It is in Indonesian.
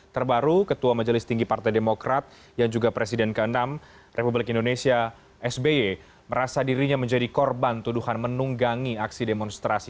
terbaru ketua majelis tinggi partai demokrat yang juga presiden ke enam republik indonesia sby merasa dirinya menjadi korban tuduhan menunggangi aksi demonstrasi